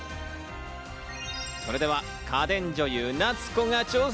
それでは家電女優・奈津子が挑戦。